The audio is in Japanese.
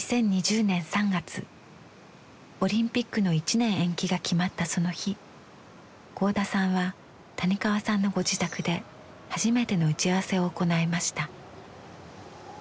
オリンピックの１年延期が決まったその日合田さんは谷川さんのご自宅で初めての打ち合わせを行いました。